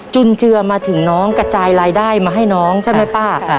จุนเจือมาถึงน้องกระจายรายได้มาให้น้องใช่ไหมป้า